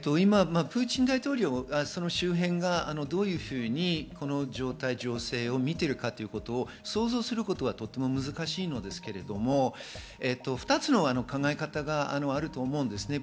プーチン大統領の周辺がどういうふうに、この状態、情勢を見ているかということを想像することはとても難しいのですけれども、２つの考え方があると思います。